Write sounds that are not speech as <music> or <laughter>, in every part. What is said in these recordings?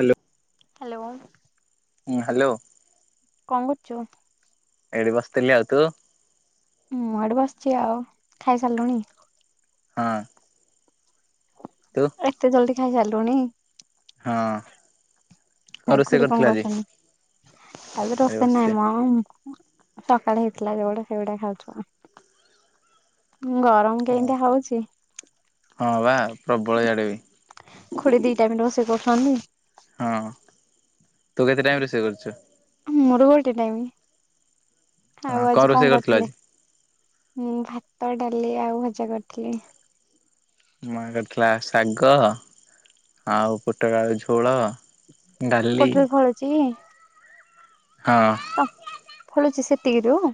Hello. Hello. ହୁଁ hello. କଣ କରୁଚ? ଏଇଠି ବସଥିଲି ଆଉ ତୁ। ମୁଁ ଏଇଠି ବସିଛି ଆଉ ଖାଇ ସାରଲୁଣି? ହଁ। ତୁ ଏତେ ଜଲଦି। ଖାଇ ସାରିଲୁଣି। ହଁ ଙ୍କ ଆଉ ରୋଷେଇ ଖୁଡି କଣ କରିଥିଲ ଆଜି? କରୁଛନ୍ତି? ଆଜି ଏଇ ରୋଷେଇ ନାଇ ବସିଛି ମ। ସକାଳେ ହେଇଥିଲା ଯୋଉଗୁଡା ସେଇଗୁଡା ଖାଉଛୁ। ଗରମ ହଁ କେମିତିଆ ହଉଛି? ହଁ ବା। ପ୍ରବଳ ଇଆଡେ ବି ଖୁଡୀ ଦି ଟା ବି ରୋଷେଇ କ ଖନି। ହଁ ତୁ କେତେ ଟାଇମ ରୋଷେଇ କରୁଛୁ? ମୋର ଗୋଟେ ଟାଇମି। ହଁ କ ରୋଷେଇ କରିଥିଲ ଆଜି। ମୁଁ ଭାତ ଡାଲି ଆଉ ଭଜା କରିଥିଲି। ମାଆ କରିଥିଲା ଶାଗ ଆଉ ପୋଟଳଆଳୁ ଝୋଳ। ଡାଲି ପୋଟଳ ଫଳୁଚି । ହଁ <unintelligible> ଫଳୁଚି ସେ <unintelligible>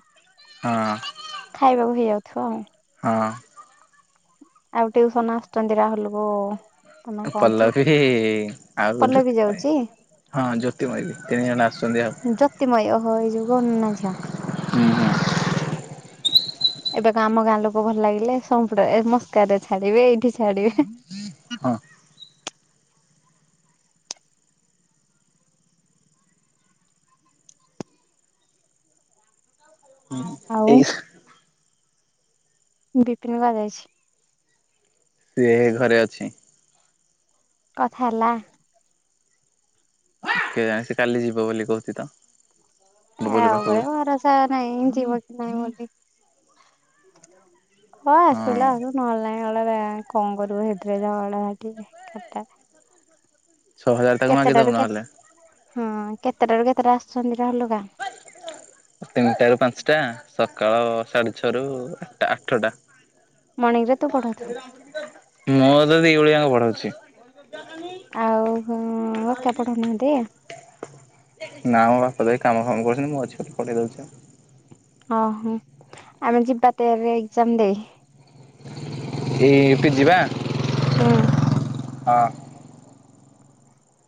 ଉଁ ହୁଁ। ଖାଇବାକୁ ଦେଇଆଇଥିବ ଆଉ । ହଁ । ଆଉ ଟିଉସନ ଆସୁଛନ୍ତି ରାହୁଲ କୁ ପଲ୍ଲବୀ ଆଉ ପଲ୍ଲବୀ ଜ୍ୟୋତିମୟୀ ଯାଉଛି ହଁ ଜ୍ୟୋତିମୟ ବି ତିନି ଜଣ ଆସୁଛନ୍ତି ଆଉ ଜ୍ୟୋତିମୟୀ ଓହୋ ଏଇ ଯୋଉ । <unintelligible> ହୁଁ ହୁଁ । ଏବେକ ଆମ ଗାଁ ଲୋକ ଭଲ ଲାଗିଲେ ସମ୍ପୁଟ ମସ୍କ ରେ ଛାଡିବେ ଏଇଠି ଛାଡିବେ ହଁ ଆଉ ଏଇ । ସେ ବିପିନ ବା ଯାଇଛି । ସେ ଘରେ ଅଛି । କଥା ହେଲା କେ ଜା ସେ କାଲି ଯିବ ବୋଲି କହୁଛି ତ ଆ ବୁବୁଲୁ ପାଖକୁ ଉପରେ ଭରସା ନହିଁ ଯିବ କି ନାହିଁ <unintelligible> ହ ଆସିଲା ହଁ ଆ ନ ହେଲ ନାଇଁ ଅ ବ କଣ କରିବ ହେଦରେ ଜଳ ଟିକ ଖାଟ ଛଅ ହଜାର ତାକୁ ମାଗି ଦବ ନ ହେଲେ ହଁ କେତେଟାରୁ କେତେଟା ଆସୁଛନ୍ତି । ତିନିଟା ର ପାଞ୍ଚଟା ସକାଳ ସାଢେ ଛଅ ରୁ ଆଠଟା ଆଠଟା ମର୍ଣ୍ଣିଂ ରେ ତୁ ପଢଉଥିବୁ । <inaudible> ମୋ ତ ଦିଇଭଳିଆ ବଢାଉଛି ଆଉହୋ କେ ପଡ଼ ନାଦ ନା ମୋ ବାପା ଦହି କାମ ଫାମ କରୁଛନ୍ତି ମୁଁ ଛିି କଲି ପଠେଇ ଦଉଛି । ଓ ହୋ ଆମେ ଯିବା ତେର ଏଜାମ ଦେ ଏଇ ଫି ଯିବା ହୁଁ । ହଁ ।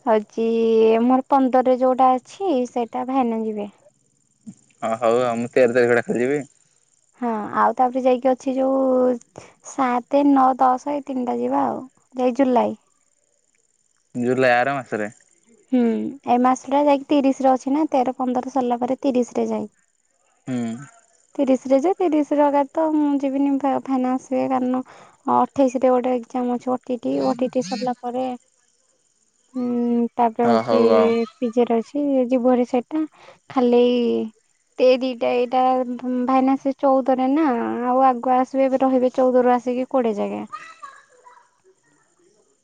ହଉଛି ମୋର ପନ୍ଦରରେ ଯୋଉଟା ଅଛି ସେଇଟା ଭାଇନା ଯିବେ । ହଁ ହଉ ହଉ ମୁଁ ତିରିି ତାରିଖଡା ଖେଲିଯିବି । ହଁ ଆଉ ତାପରେ ଯାଇକି ଅଛି ଯୋଉ ସାତ ନଅ ଦଶ ଏଇ ତିନିଟା ଯିବା ଆଉ ଯାଇକି ଜୁଲାଇ । ଜୁଲାଇ ଆର ମାସରେ । ହୁଁ ଏ ମାସ ଟା ଯାଇକି ତିରିଶ ରେ ଅଛି ନା ତେର ପନ୍ଦର ସରିଲା ପରେ ତିରିଶ ରେ ଯାଇ ହୁଁ । ତିରିଶଗ ତ ମୁଁ ଯିବିନି ଫାଇସ କାରଣ ଅଠେଇଶରେ ଗୋଟେ ଏକ୍କଜାମ ଅଛି ଟି ଓଟିଟି ସରିଲା ପରେ ହୁଁ। ତାପରେ ହଁ ହଉଛି ହଉ ଆଉ ପିଜ୍ଜା ରହିଛି। ଯିବରେ ସେଟା ଖାଲି ଦିଟା ଏଇଟା ଭାଇନା ସେ ଚଉଦରେ ନା ଆଉ ଆଗୁ ଆସିବେ ଏବେ ରହିବେ ଚଉଦରୁୁ ଆସିକି କୋଡିଏ ଜାଗେ।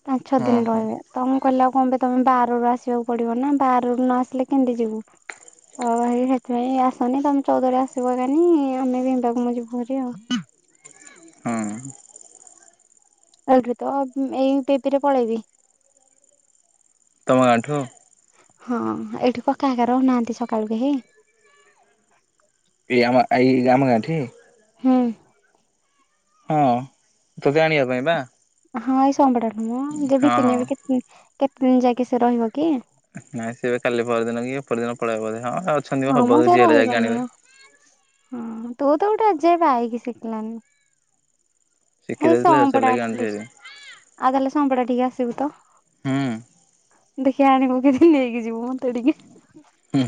ପାଞ୍ଚ ଛଅ ହଁ ଦିନ ହଁ ରହିବେ ତ ମୁଁ କହିଲେ ଆଉ କଣ ପେ ତମେ ବା ର ଆସିବାକୁ ପଡିବ ନା। ବାର ରୁ ନ ଆସିଲେ କେମିତି ଯିବୁ। ଆଉ ହେଥିପାଇଁ ଆସନି ତମେ ଚଉଦରେ ଆସିବ କାନି ଆମେ ବିନ୍ଦ କୁ ମୁଁ ଯିବୁ ହାରି ଆଉ। ହଁ। <unintelligible> ତ ଏଇ ପେପିରେ ପଳେଇବି। ତମ ଗାଁ ଠୁ। ହଁ ଏଇଠି କକା ହେଇକା ରହୁନାହାଁନ୍ତି ସକାଳୁ କେହି? ଏଇଆମ ଏଇ ଆମ ଗାଁଠି। ହୁଁ। ହଁ ତୋତେ ଆଣିବା ପାଇଁ ବା। ହଁ। କଭଡାୁ <unintelligible> ମ ଯେ ହଁ ବିପିନି ହଁ। କେ। <unintelligible> କେତେ ଦିନ ଯାଇକି ସେ ରହିବ କି? ନାଇଁ ସେ ଏବେ କାଲି ପରଦିନ କି ଅପରଦିନ ପଳେଇବ ବୋଧେ। ହଁ ଅଛନ୍ତି ହଁ ହବ ମ ଯେ ଯିଏ ହେଲେ ଯାଇକି ରହିବନି ଆଣିବେ। ମ ହଁ। ତୁ ତ ଗୋଟେ ଆଜି ଯାଏ ବାଇକି ଶିଖିଲାନି। ଶିଖି ଏଇ ଯାଇଥିଲେ ସଂପଡା ସେଥିଲାଗି ଆଣିଛି ହାରି ଆଟଲିଷ୍ଟ ଆଉ ତାହେଲେ ସମ୍ପଡା ଟିକେ ଆସିବୁ ତ। ହୁଁ। ଦେଖିଆ ଆଣିବୁ କିଦି ନେଇକି ଯିବୁ ମତେ ଟିକେ। ହୁଁ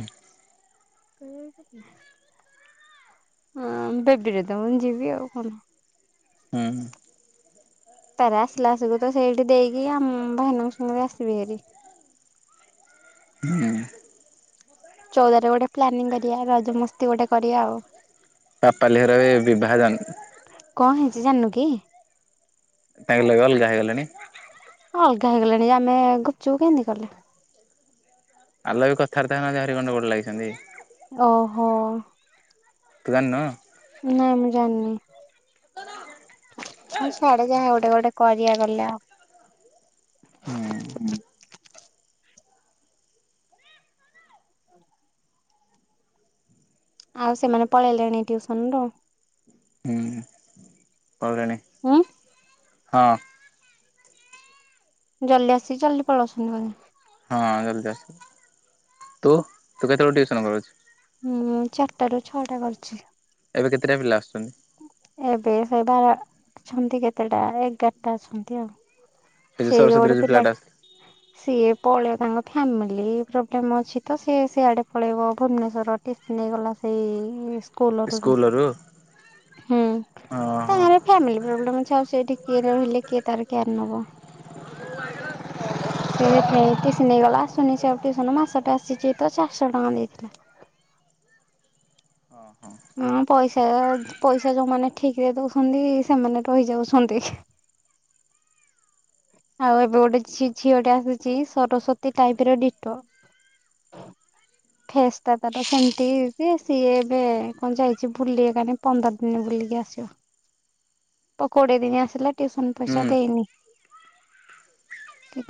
ହଁ ବେବିରେ ତ ମୁଁ ଯିବି ଆଉ କଣ। ହୁଁ ପାର ଆସିଲା ଆସିବୁ ତ ସେଇଠି ଦେଇକି ଆମ ଭାଇନାଙ୍କ ସାଙ୍ଗରେ ଆସିବି ହେରି। ହୁଁ ଚଉଦ ରେ ଗୋଟେ ପ୍ଲାନିଂ କରିବା ରଜମସ୍ତି ଗୋଟେ କରିବା ଆଉ। ବାପା ଲେହର ବି ବିଭାଜନ। କଣ ହେଇଛି ଜାଣିନୁ କି? ତାଙ୍କ ଲାଗି ଅଲଗା ହେଇଗଲେଣି। ହଁ ଅଲଗା ହେଇଗଲେଣି ଆମେ ଗୁପଚୁପ୍ କେମିତି କଲେ। ଆଲ ବି କଥାରେ ତାଙ୍କର ଆହରି ଗଣ୍ଡ ଗୋଡ ଲାଗିଛନ୍ତି। ଓହୋ। ତୁ ଜାନୁ। ନାଇଁ ମୁଁ ଜାଣିନି। ସିଆଡେ ଯାଏ ଗୋଟେ ଗୋଟେ କରିବା ଗଲେ ଆଉ। ହୁଁ ଆଉ ସେମାନେ ପଳେଇଲେଣି ଟିଉସନ୍ ରୁ? ହୁଁ ପଳେଇଲେଣି ହୁଁ। ହଁ। ଜଲଦି ଆସିକି ଜଲଦି ପଳାଉଛନ୍ତି ବଧେ। ହ ଜଲଦି ଆସ। ତୁ ତୁ କେତେବେଳେ ଟିଉସନ୍ କରୁଛୁ। ମୁଁ ଚାରିଟାରୁ ଛଅଟା କରୁଛି। ଏବେ କେତେଟା ପିଲା ଆସୁଛନ୍ତି। ଏବେ ସେ ବାର ଅଛନ୍ତି କେତେଟା ଏଗାରଟା ଅଛନ୍ତି ଆଉ। ସେ ଯୋଉ ସେଇ ସରସ୍ଵତୀରେ ଯୋଡେ ଯୋଉ ପିଲାଟା ଆସିଥିଲା ପିଲାଟେ ସିଏ ପଳେଇଲା ତାଙ୍କ ଫ୍ୟାମିଲି ପ୍ରୋବ୍ଲେମ୍ ଅଛି ତ, ସିଏ ସେଆଡେ ପଳେଇବ ଭୁବନେଶ୍ୱର ଟିସି ନେଇଗଲା ସେଇ ସ୍କୁଲ ରୁ ବି ସ୍କୁଲରୁ ହୁଁ ଓହୋ। ତାଙ୍କରେ ଫ୍ୟାମିଲି ପ୍ରୋବ୍ଲେମ୍ ଅଛି ଆଉ ସେଠି କି ରହିଲେ କିଏ ତାର କେୟାର ନବ। ସେ ହଁ ଏଥିପାଇଁ ଟିସି ନେଇଗଲା। ଆସୁନି ସେ ଆଉ ଟିଉସନ ମାସ ଟା ଆସିଛି ତ ଚାରିଶହ ଟଙ୍କା ଦେଇଥିଲା। ହଁ ପଇସା ପଇସା ଯୋଉମାନେ ଠିକ୍ ରେ ଦଉଛନ୍ତି ସେମାନେ ରହିଯାଉଛନ୍ତି। ଆଉ ଏବେ ଗୋଟେ ଝିଅ ଟେ ଆସୁଛି ସରସ୍ଵତୀ ଟାଇପ୍ ର ଡିଟୋ। ଫେସ୍ ଟା ତାର ସେମିତି ସିଏ ଏବେ କଣ ଯାଇଛି ବୁଲିବାକୁ ପନ୍ଦର ଦିନ ବୁଲିକି ଆସିବ। କୋଡିଏ ଦିନ ଆସିଲା ଟିଉସନ ହୁଁ ପଇସା ଦେଇନି।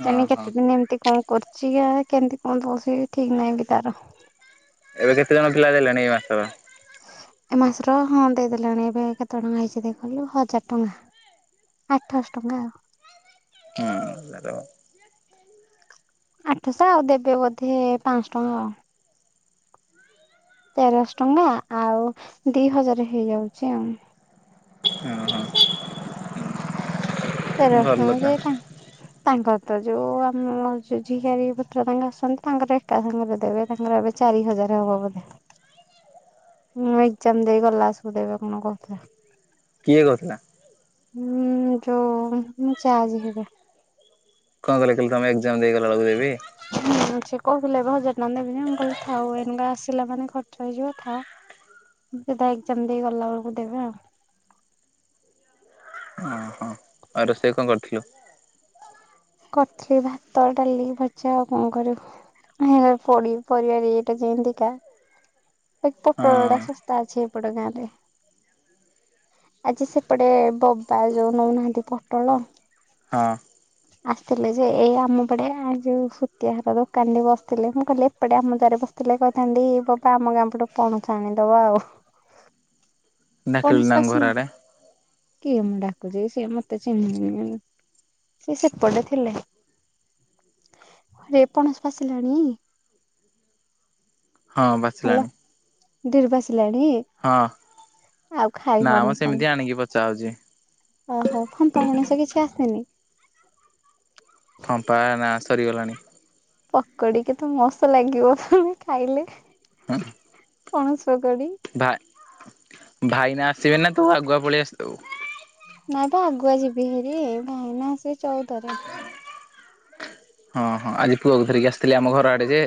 ହଁ ହଁ କେତେ ଦିନ ଏମତି କଣ କରୁଛି କେମିତି କଣ ଠିକ୍ ନାହିଁ ବି ତାର। ଏବେ କେତେ ଜଣ ପିଲା ଦେଲେଣି ଏଇ ମାସର? ଏ ମାସର ହଁ ଦେଇଦେଲାଣି ଏବେ କେତେ ଟଙ୍କା ହେଇଛି ଦେଖିଲୁ ହଜାର ଟଙ୍କା ଆଠଶ ଟଙ୍କା ଆଉ ହୁଁ ଆଠଶହ ଆଉ ଦେବେ ବୋଧେ ପାଆଁଶ ଟଙ୍କା ଆଉ ତେରଶହ ଟଙ୍କା ଆଉ ଦି ହଜାର ହେଇଯାଉଛି ଆଉ <inaudible> ତେରଶ ଓହୋ ଭଲ ଟଙ୍କା ତ ଯେ ତାଙ୍କ ତାଙ୍କର ତ ଯୋଉ ଆମ ଯୋଉ ଝିଆରୀ ପୁତୁରା ତାଙ୍କ ଆସିଛନ୍ତି ତାଙ୍କର ଏକା ସାଙ୍ଗରେ ଦେବେ ତାଙ୍କର ଏବେ ଚାରି ହଜାର ହବ ବୋଧେ ମୁଁ ଏକ୍ଜାମ ଦେଇ ଗଲା ମାସ କୁ ଦେବେ କଣ କହୁଥିଲେ। କିଏ କହୁଥିଲା? ହୁଁ ଯୋଉ ମୋ ଜା ଯିଏ ହେବେ କଣ କହିଲେ ତମେ ଏକ୍ଜାମ ଦେଇଗଲାବେଳକୁ ଦେ ହୁଁ ସେ କହୁ ଥିଲେ ଏବେ ହଜାର ଟଙ୍କା ଦେବ ଯେ କହିଲି ଥାଉ ଏଉନୁକା ଆସିଲା ମାନେ ଖର୍ଚ୍ଚ ହେଇଯିବ ଥାଉ ସେଟା ଏଜ୍ଜାମ୍ ଦେଇ ଗଲା ବେଳକୁ ଦେବେ ଆଉ ଆ ରୋଷେଇ କଣ କରିଥିଲୁ? କରିଥିଲି ଭାତ ଡାଲି ଭଜା ଆଉ କଣ କରିବୁ ହେ ପଡି ପରିବା ରେଟ ଟା ଯେତିକା ହଁ ପୋଟଳ ଟା ଶସ୍ତା ଅଛି ଏପଟ ଗାଁରେ, ଆଜି ସେପଟେ ବବା ଯୋଉ ନଉନାହାନ୍ତି ପୋଟଳ ହଁ ଆସିଥିଲେ ଯେ ଏଇ ଆମପଟେ ଆ ଯୋଉ ସୁତିଆ ଘର ଦୋକାନ ଠି ବସିଥିଲେ ।ମୁଁ କହିଲି ଏପଟେ ଆମ ଦୁଆରେ ବସିଥିଲେ କହିଥାନ୍ତି ବବା ଆମ ଗାଁ ପଟୁ ପଣସ ଆଣିଦବ ଆଉ ପଣସ ଡାକିଲୁନି ତାଙ୍କୁ ପାଚିଲାଣି? ଘର ଆଡ଼େ କିଏ ମ ଡାକୁଛି ସିଏ ମତେ ଚିହ୍ନିବେନି ସେ ସେ ପଟେ ଥିଲେ ଯେ ପଣସ ପାଚିଲାଣି ହଁ ପାଚିଲାଣି। <unintelligible> ଲାଣି ଆଉ ଖାଇହଉନି କଣ? ପଚାହୋଉଛି। ଓହୋ ଫମ୍ପା ପଣସ କିଛି ଆସେନି। <inaudible> ଫମ୍ପା ନା ସରିଗଲାଣି। ପକୋଡି କେତେ ମସ୍ତ ଲାଗିବ ଖାଇଲେ <unintelligible> ପଣସ୍ ପକୋଡ଼ି ଭା ଭାଇନା ଆସିବେ ନା ତୁ ଆଗୁଆ ପଳେଇ ଆସିଥିବୁ? ନାଇ ପା ଆଗୁଆ ଯିବି ହେରି ଭାଇନା ଆସିବେ ଚଉଦରେ ହଁ ହଁ ଆଜି ପୁଅକୁ ଧରିକି ଆସିଥିଲେ ଆମ ଘର ଆଡେ ଯେ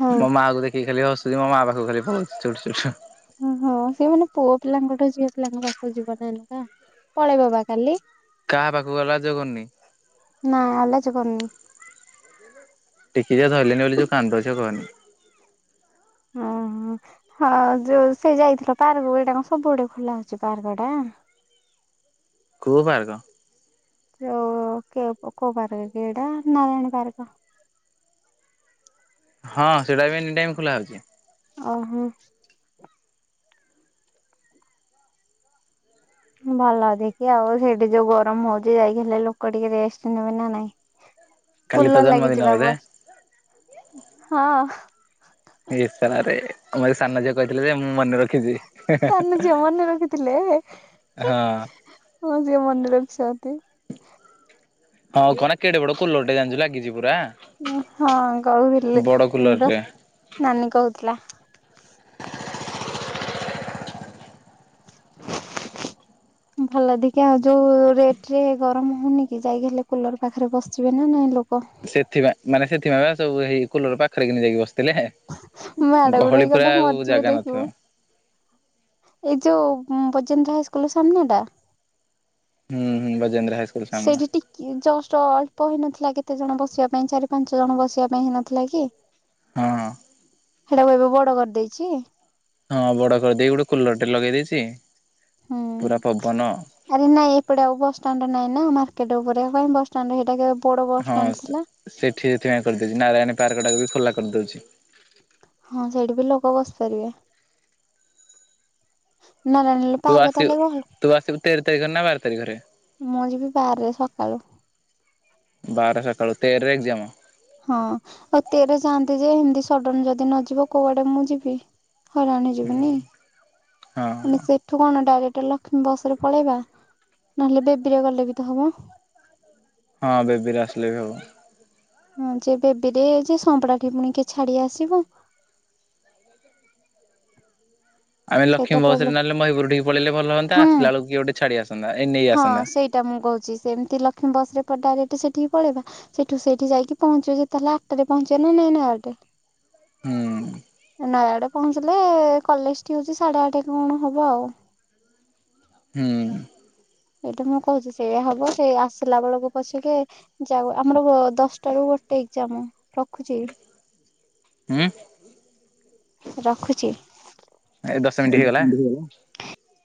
ହଁ ମୋ ମାଆକୁ ଦେଖିକି ଖାଲି ହସ୍ ଯେ ମୋ ମା ପାଖକୁ ଖାଲି ପଳାଉଚି <unintelligible> ଓହୋ ସେ ମାନେ ପୁଅ ପିଲାଙ୍କଠୁ ଝିଅ ପିଲାଙ୍କ ପାଖକୁ ଯିବ ନା ଏନକା ପଳେଇବ ବା କାଲି। କାହା ପାଖକୁ ଗଲାଜ ଜେଗନି ଯିବନି। ଟିକି ଯେ ଧରିଲନି ବୋଲି ଯୋଉ କାନ୍ଦୁ ଜେ କହନି। ଓ ହଁ ଯୋଉ ସେ ଯାଇଥିଲ ପାର୍କ ଏଇଟା କ ସବୁ ଆଡ଼େ ଖୋଲା ହଉଛି ପାର୍କ ଟା। କୋଉ ପାର୍କ। ଯଉ କେ କୋଉ ପାର୍କ କି ଏଟା ନା ଜାଣିନି ପାର୍କ ହଁ ସେଟା ବି ଏନିଟାଇମ୍ ଖୋଲା ଅଛି। ଓହୋ। ଭଲ ଦେଖିଆ ଆଉ ସେଇଠି ଯୋଉ ଗରମ ହଉଛି ଯାଇକି ହେଲେ ଲୋକ ଟିକେ ରେଷ୍ଟ ନେବେ ନା ନାଇଁ। କାଲି ତୋ କୁଲର ଜନ୍ମଦିନ ଲାଗିଯିପା ବୋଧେ? ବସ୍ ହଁ। ଏଇ ଶଳାରେ ଆମର ସାନ ଝିଅ କହିଥିଲେ ମୁଁ ମନେ ରଖିଛି। ସାନ ଝିଅ ମନେରଖି ଥିଲେ ହଁ ମଁ ଝିଅ ମନେ ରଖି ଚନ୍ତି ହଁ କନେ କେଡ଼େ ବଡ଼ କୁଲର୍ ଟେ ଜାଣିଛୁ ଲାଗିଛି ପୁରା। ହଁ କହୁଥିଲି ବଡ କୁଲର ଟେ। ନାନୀ କହୁଥିଲା। ଭଲ ଟିକେ ଆଉ ଯୋଉ ରେଟ ରେ ଗରମ ହଉନି କି ଯାଇକି ହେଲେ କୁଲର ପାଖରେ ବସିବେ ନା ନାଇଁ ଲୋକ। ସେଥିପାଇଁ ମାନେ ସେଥିପାଇଁ ବା ସବୁ ହେଇ କୁଲର ପାଖରେ କିି ଯାଇକି ବସି ଥିଲେ ମାଡ ଗୋଡ ଗହଳି ହେଇ ଅଧା ପୁରା ଆଉ ମରିଯିବେ ଜାଗା ଦେଖିବୁ ନଥିବ। ଏଇ ଯୋଉ ରାଜେନ୍ଦ୍ର ହାଇ ସ୍କୁଲ ସାମ୍ନାଟା। ହୁଁ ହୁଁ ବ ସେଠି ଟିକେ ଜଷ୍ଟ୍ ଅଳ୍ପ ହେଇନଥିଲା କେ କେତେ ଜଣ ବସିବା ପାଇଁ ଚାରି ପାଞ୍ଚ ଜଣ ବସିବା ପାଇଁ ହେଇନଥିଲା କି। ହଁ । ସେଇଟାକୁ ଏବେ ବଡ଼ କରିଦେଇଛି। ହଁ ବଡ଼ କରିଦେଇ ଗୋଟେ କୁଲର ଟେ ଲଗେଇ ଦେଇଚି। ହୁଁ ଆରେ ନାଇଁ ଏପଟେ ଆଉ ବସଷ୍ଟାଣ୍ଡ ନାହିଁ ନା ଆମ ର୍କେଟ ଉପରେ ଆଉ କାଇଁ ବସଷ୍ଟାଣ୍ଡ୍ ହେଇଟା କେ ବଡ ହଁ ବସଷ୍ଟାଣ୍ଡ ଥିଲା। ସେଠି ସେଥିପାଇଁ କରିଦେଇଛି ନାରାୟଣୀ ପାର୍କ ଟାକୁ ବି ଖୋଲା କଦଉଚି ହଁ ସେଇଠି ବି ଲୋକ ବସିପାରିବେ। ନ ନେଲେ ତୁ ପାର୍କ ଆସିବୁ ତାହେଲେ ତୁ ଆସିବୁ ତେର ତାରିଖରେ ନା ବାର ତାରିଖରେ କହିଲୁ ମୁଁ ଯିବି ବାହାରେ ସକାଳୁ ବାର ସକାଳୁ ତେର ରେ ଏଙ୍ଗଜମ ହଁ ଆଉ ତେର ଚାଆନ୍ତି ଯେ ହି <unintelligible> ସଡ଼ନ ଯଦି ନଯିବ କଉଆଡ଼େ ମୁଁ ଯିବି ହରାଣ ଯିବିନି ହଁ ମାନେ ସେଠୁ କଣ ଡାଇରେକ୍ଟ ଲ ବସ ରେ ପଳେଇବା ନହେଲେ ବେବିରିଆ ଗଲେ ବି ତ ହବ। ହଁ ବେବିରେ ଆସିଲେ ବି ହବ। ହଁ ଯେ ବେବିରେ ଯେ ସମ୍ପଡାଟି ପୁଣିି କିଏ ଛାଡି ଆସିବ। ଆମେ ଲଷ୍ମୀ ସେଇଟା ପ୍ରୋବ୍ଲେମ ବସରେ ନହେଲେ ମହୀପୁର ଠିକି ପଳେଇଲେ ଭଲ ହନ୍ତା ହଁ ଆସିଲା ବେଳକୁ କିଏ ଗୋଟେ ଛାଡ଼ିଆସ। ହଁ ସେଇଟା ମୁଁ କହୁଛି ସେମତି ଲକ୍ଷ୍ମୀ ବସରେ। ଡାଇରେକ୍ଟେ ସେଠିକି ପଳେଇବା ସେଠୁ ସେଇଠି ଯାଇକି ପହଞ୍ଚିବ ଯେତେ ହେଲେ ଆଠଟାରେ ପହଞ୍ଚିବ ନା ନାଇଁ ନଅ ଟେ। ହୁଁ। ନୟାଗଡ ପହଞ୍ଚିଲେ କଲେଜ ଠି ହଉଛି ସାଢେ ଆଠେ କଣ ହବ ଆଉ। ହୁଁ। ଏଇଟି ମୁଁ କହୁଛି ସେୟା ହବ ସେ ଆସିଲା ବେଳକୁ ପଛକେ ଯାଉ ଆମର ବ ଦଶଟା ରୁ ଗୋଟେ ଏକ୍ଜାମ ରଖୁଛି। ହୁଁ। ରଖୁଚି। ଏ ଦଶ ମିଣ୍ଟି ହେଇଗଲା।